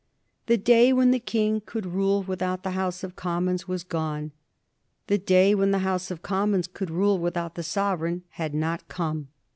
The day when the King could rule without the House of Commons was gone. The day when the House of Commons could rule without the Sovereign had not come.